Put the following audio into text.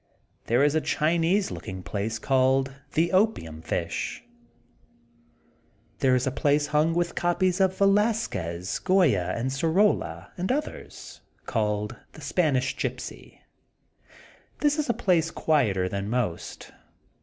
There is a Chinese looking place called: The Opium Fish.*' There is a place hung with copies of Velasques, Goya, SoroUa, and others, called :The Spanish Gypsy. This is a place quieter than most.